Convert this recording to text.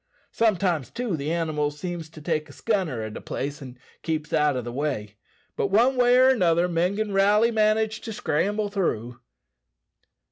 Sometimes, too, the animals seems to take a scunner at a place, and keeps out o' the way. But one way or another men gin' rally manage to scramble through."